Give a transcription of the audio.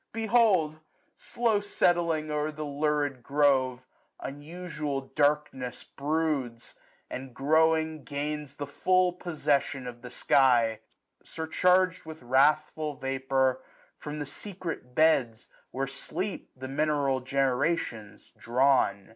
Behold, slow settling o'er the lurid grove. Unusual darkness broods^ and growing gains The full posseffion of the sky ; surcharged 1 105 With wrathful vapour, from the secret beds Where sleep the mineral generations, drawn.